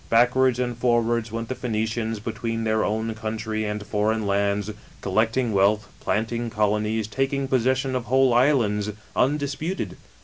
Backwards and forwards, went the Phoenicians, between their own country and foreign lands, col lecting wealth, planting colonies, taking possession of whole islands, undisputed.